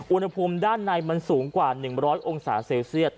อุณหภูมิด้านในมันสูงกว่า๑๐๐องศาเซลเซียต